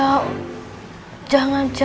jangan jangan masalah cowok